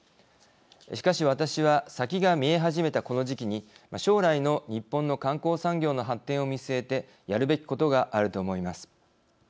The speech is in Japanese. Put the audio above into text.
しかし私は先が見え始めたこの時期に将来の日本の観光産業の発展を見据えてやるべきことがあると思います。